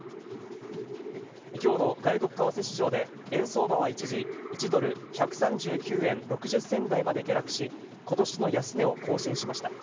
きょうの外国為替市場で、円相場は一時、１ドル１３９円６０銭台まで下落し、ことしの安値を更新しました。